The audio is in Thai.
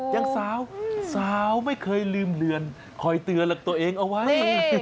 ยังสาวสาวไม่เคยลืมเรือนคอยเตือนตัวเองเอาไว้